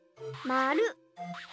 まる。